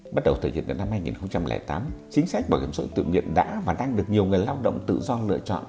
bắt đầu thể hiện đến năm hai nghìn tám chính sách bảo hiểm suất tự nguyện đã và đang được nhiều người lao động tự do lựa chọn